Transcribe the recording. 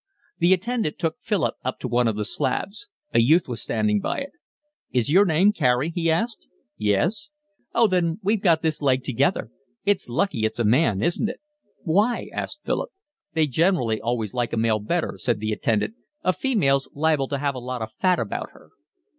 The attendant took Philip up to one of the slabs. A youth was standing by it. "Is your name Carey?" he asked. "Yes." "Oh, then we've got this leg together. It's lucky it's a man, isn't it?" "Why?" asked Philip. "They generally always like a male better," said the attendant. "A female's liable to have a lot of fat about her."